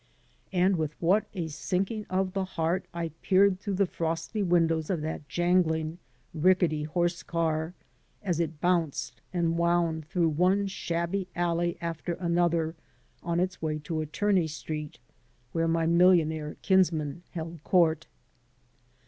And with what a sinking of the heart I peered through the frosty windows of that jangling, rickety horse car as it bounced and wound through one shabby alley after another on its way to Attorney Street, where my millionaire kinsman held court!